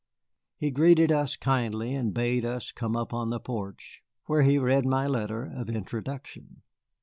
He greeted us kindly and bade us come up on the porch, where he read my letter of introduction.